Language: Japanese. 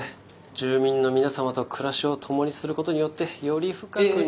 住民の皆様と暮らしを共にすることによってより深くニーズを。